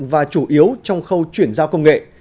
và chủ yếu trong khâu chuyển giao công nghệ